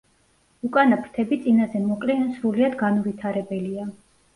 უკანა ფრთები წინაზე მოკლე ან სრულიად განუვითარებელია.